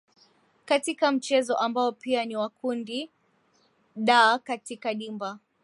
katika mchezo ambao pia ni wa kundi d katika dimba